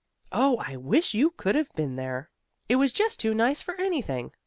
Oh, I wish you could have been there! It was just too nice for anything!